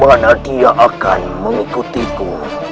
bagaimana dia akan mengikutiku